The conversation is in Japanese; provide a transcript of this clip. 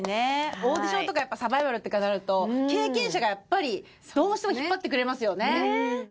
オーディションとかやっぱサバイバルとかになると経験者がやっぱりどうしても引っ張ってくれますよね。